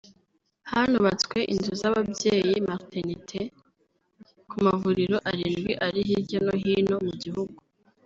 Hanubatswe inzu z’ababyeyi (Maternité) ku mavuriro arindwi ari hirya no hino mu gihugu